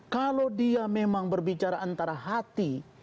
kalau dia memang berbicara antara hati